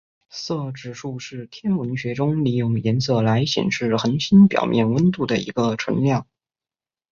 色指数是天文学中利用颜色来显示恒星表面温度的一个纯量。